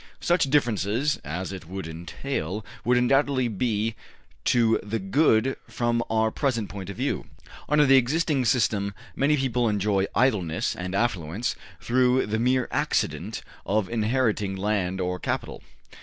Such differences as it would entail would undoubtedly be to the good from our present point of view. Under the existing system many people enjoy idleness and affluence through the mere accident of inheriting land or capital.